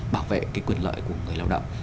bảo vệ cái quyền lợi của người lao động